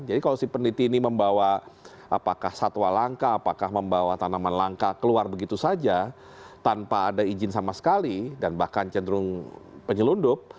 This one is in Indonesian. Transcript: jadi kalau si peneliti ini membawa apakah satwa langka apakah membawa tanaman langka keluar begitu saja tanpa ada izin sama sekali dan bahkan cenderung penyelundup